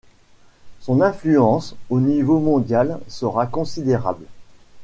Son influence, au niveau mondial, sera considérable.